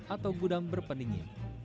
atau gudang berpendingin